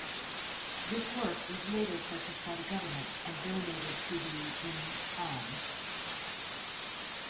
This work was later purchased by the government and donated to the in Cannes.